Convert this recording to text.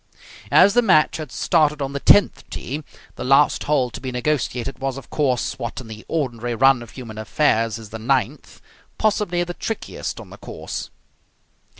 As the match had started on the tenth tee, the last hole to be negotiated was, of course, what in the ordinary run of human affairs is the ninth, possibly the trickiest on the course.